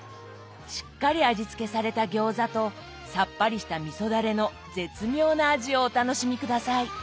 しっかり味付けされた餃子とさっぱりしたみそダレの絶妙な味をお楽しみ下さい。